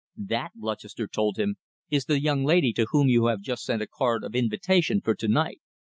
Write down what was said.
"That," Lutchester told him, "is the young lady to whom you have just sent a card of invitation for to night."